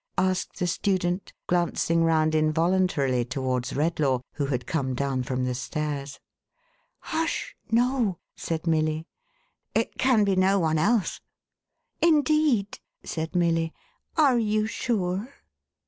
asked the student, glancing round in voluntarily towards Redlaw, who had come down from the stairs. " Hush ! No," said Milly. " It can be no one else."1 * Indeed," said Milly, "are you sure?" 512 THE HAUNTED MAN.